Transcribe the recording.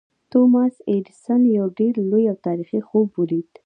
توماس ایډېسن یو ډېر لوی او تاریخي خوب ولید